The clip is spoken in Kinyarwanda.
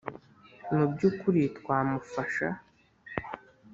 mu byukuri twamufasha